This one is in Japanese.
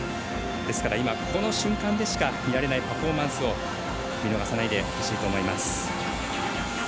ですから今、この瞬間でしか見られないパフォーマンスを見逃さないでほしいと思います。